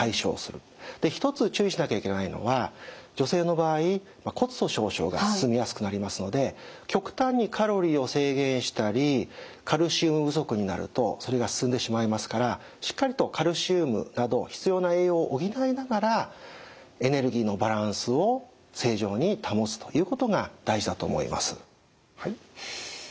一つ注意しなきゃいけないのは女性の場合骨粗しょう症が進みやすくなりますので極端にカロリーを制限したりカルシウム不足になるとそれが進んでしまいますからしっかりとカルシウムなど必要な栄養を補いながらエネルギーのバランスを正常に保つということが大事だと思います。